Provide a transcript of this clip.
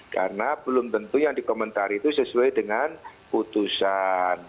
karena belum tentu yang dikomentari itu sesuai dengan putusan